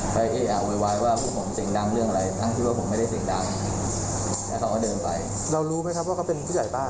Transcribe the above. คำพูดอะไรที่ทำให้เราของขึ้นเลยพวกเราก็ของขึ้น